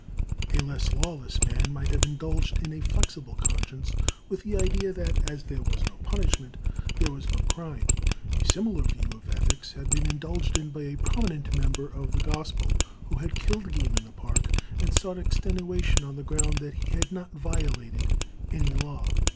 A less lawless man might have indulged a flexible conscience with the idea that, as there was no punishment, there was no crime. A similar view of ethics had been indulged in by a prominent member of the gospel, who had killed game in the Park, and sought extenuation on the ground that he had not violated any law.